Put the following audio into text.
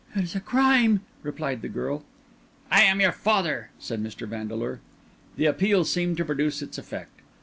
"It is a crime," replied the girl. "I am your father," said Mr. Vandeleur. This appeal seemed to produce its effect.